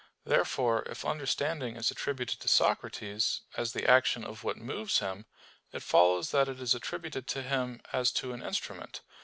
Therefore if understanding is attributed to Socrates, as the action of what moves him, it follows that it is attributed to him as to an instrument.